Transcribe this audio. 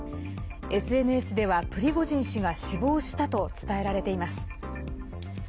ＳＮＳではプリゴジン氏が死亡したと伝えられています。